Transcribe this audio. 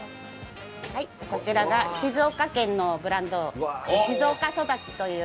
はいじゃあこちらが静岡県のブランド静岡そだちという。